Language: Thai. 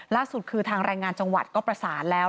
ล่าสุดคือทางแรงงานจังหวัดก็ประสานแล้ว